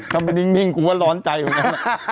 ทำไปนิ่งคงว่าร้อนใจอยู่ไง